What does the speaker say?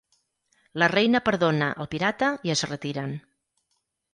La reina perdona al pirata i es retiren.